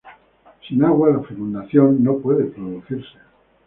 Sin agua, la fecundación no puede producirse.